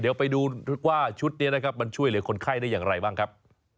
เดี๋ยวไปดูว่าชุดนี้นะครับมันช่วยเหลือคนไข้ได้อย่างไรบ้างครับ